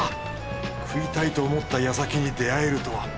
食いたいと思った矢先に出会えるとは。